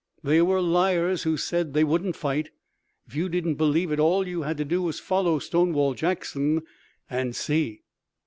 They were liars who said they wouldn't fight! If you didn't believe it, all you had to do was to follow Stonewall Jackson and see!